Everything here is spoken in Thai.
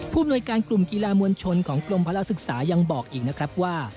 ผู้บริการกลุ่มกีฬามวลชนของกลมพระราชศึกษายังบอกอีกนะครับว่า